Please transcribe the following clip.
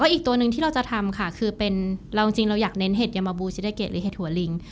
อีกตัวหนึ่งที่เราจะทำคือเราอยากเน้นเห็ดยามบูลชิดเกตหรือเห็ดหัวลิง